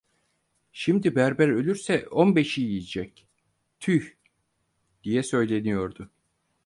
Şimdi berber ölürse on beşi yiyecek. Tüh… diye söyleniyordu.